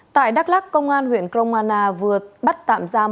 tại đắk lắc công an huyện cromana vừa bắt tạm giam